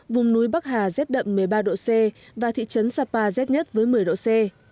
vùng núi bắc hà rét đậm một mươi ba độ c và thị trấn sapa rét nhất với một mươi độ c